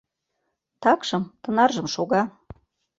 Такшым тынаржым шога.